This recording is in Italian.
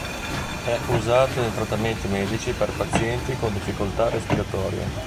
È usato nei trattamenti medici per pazienti con difficoltà respiratorie.